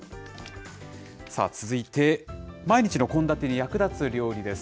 続いて、毎日の献立に役立つ料理です。